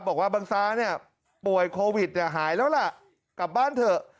บอกว่าบังซ้าเนี่ยป่วยโควิดหายแล้วล่ะกลับบ้านเถอะ